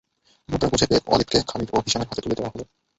মুদ্রা বুঝে পেয়ে ওলীদকে খালিদ ও হিশামের হাতে তুলে দেয়া হল।